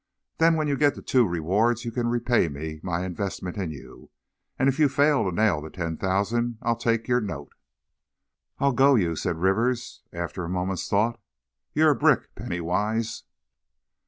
Then, when you get the two rewards you can repay me my investment in you. And if you fail to nail the ten thousand, I'll take your note." "I'll go you!" said Rivers, after a moment's thought. "You're a brick, Penny Wise!"